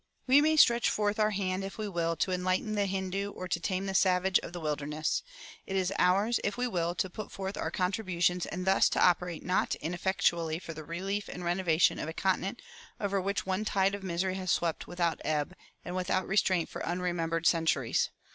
We may stretch forth our hand, if we will, to enlighten the Hindu or to tame the savage of the wilderness. It is ours, if we will, to put forth our contributions and thus to operate not ineffectually for the relief and renovation of a continent over which one tide of misery has swept without ebb and without restraint for unremembered centuries.